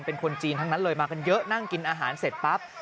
เป็นคนจีนทั้งนั้นเลยมากันเยอะนั่งกินอาหารเสร็จปั๊บ